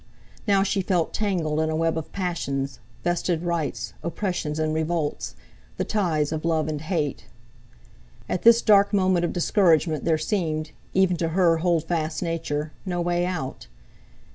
Now she felt tangled in a web of passions, vested rights, oppressions and revolts, the ties of love and hate. At this dark moment of discouragement there seemed, even to her hold fast nature, no way out.